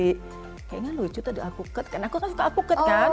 kayaknya lucu tadi aku ket karena aku kan suka akuet kan